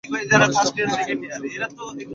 মানুষকে অহংকার কিরকম মাটি করে!